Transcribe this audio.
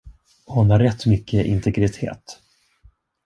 Hon har rätt mycket integritet.